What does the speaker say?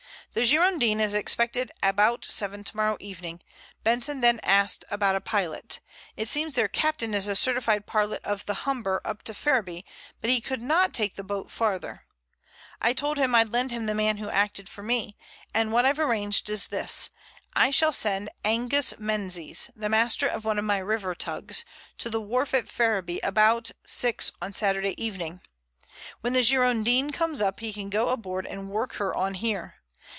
"The Girondin is expected about seven tomorrow evening. Benson then asked about a pilot. It seems their captain is a certified pilot of the Humber up to Ferriby, but he could not take the boat farther. I told him I'd lend him the man who acted for me, and what I've arranged is this, I shall send Angus Menzies, the master of one of my river tugs, to the wharf at Ferriby about six on Saturday evening. When the Girondin comes up he can go aboard and work her on here.